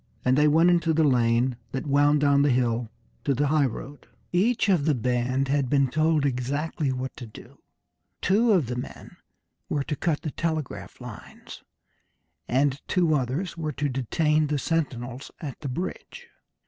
and they went into the lane that wound down the hill to the highroad. Each of the band had been told exactly what he was to do. Two of the men were to cut the telegraph lines, and two others were to detain the sentinels at the bridge.